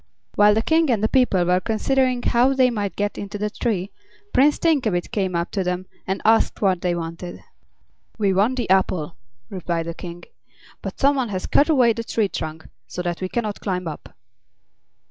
While the King and the people were considering how they might get into the tree, Prince Thinkabit came up to them and asked what they wanted. "We want the apple," replied the King, "but some one has cut away the tree trunk, so that we can not climb up."